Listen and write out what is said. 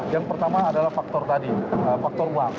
yang pertama adalah faktor tadi faktor uang